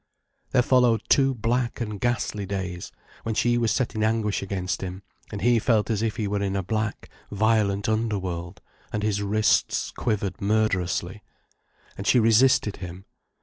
There followed two black and ghastly days, when she was set in anguish against him, and he felt as if he were in a black, violent underworld, and his wrists quivered murderously. And she resisted him.